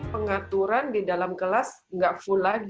pengaturan di dalam kelas tidak full